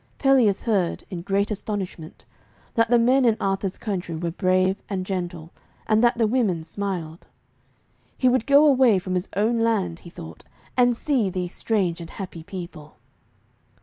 Pelleas heard, in great astonishment, that the men in Arthur's country were brave and gentle, and that the women smiled. He would go away from his own land, he thought, and see these strange and happy people.